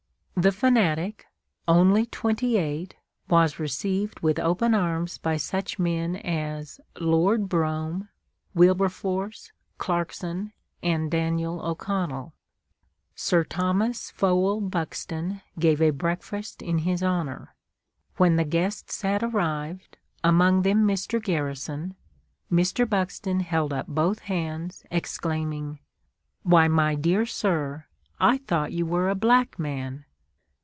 The "fanatic," only twenty eight, was received with open arms by such men as Lord Brougham, Wilberforce, Clarkson, and Daniel O'Connell. Sir Thomas Fowell Buxton gave a breakfast in his honor. When the guests had arrived, among them Mr. Garrison, Mr. Buxton held up both hands, exclaiming, "Why, my dear sir, I thought you were a black man!"